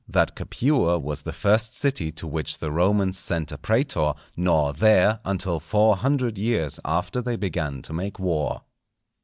—_That Capua was the first City to which the Romans sent a Prætor; nor there, until four hundred years after they began to make War.